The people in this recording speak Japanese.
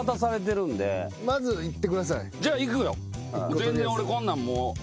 全然俺こんなんもう。